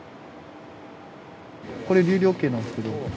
これ流量計なんですけど。